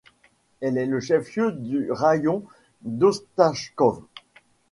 Elle est le chef-lieu du raïon d’Ostachkov.